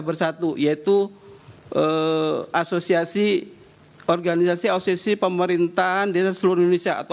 bersatu yaitu asosiasi organisasi asosiasi pemerintahan desa seluruh indonesia atau